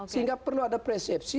sehingga perlu ada persepsi